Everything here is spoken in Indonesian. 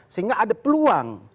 sehingga ada peluang